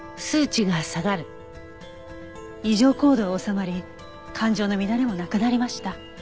異常行動は収まり感情の乱れもなくなりました。